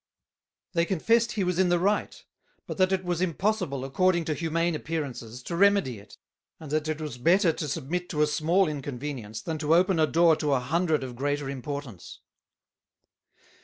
"They confessed he was in the right; but that it was impossible, according to humane Appearances, to remedy it; and that it was better to submit to a small inconvenience, than to open a door to a hundred of greater Importance."